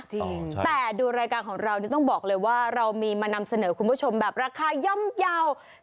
แต่ดูรายการของเรานี่ต้องบอกเลยว่าเรามีมานำเสนอคุณผู้ชมแบบราคาย่อมเยาว์